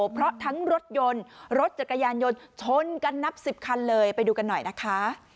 เพราะทั้งรถยนต์รถจักรยานยนต์ชนกันนับ๑๐คันเลยไปดูกันหน่อยนะคะ